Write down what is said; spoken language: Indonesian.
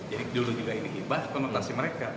jadi dulu juga ini bahkan otasi mereka